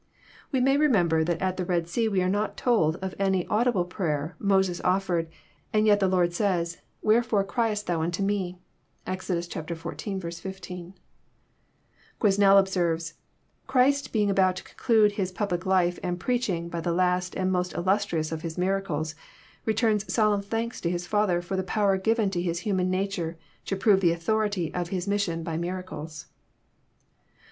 We may remember that at the Red Sea we are not told of any audi ble prayer Moses olTered, and yet the Lord says, " Wherefore criest thou unto Me ?" (Exodus xiv. 15.) Qnesnel observes :" Christ being about to conclude His pub lic life and preaching by the last and most illustrious of His miracles, returns solemn thanks to His Father for the power given to His human nature to prove the authority of His mis sion by miracles."